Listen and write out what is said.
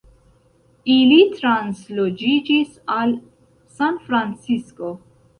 Ili transloĝiĝis al Sanfrancisko.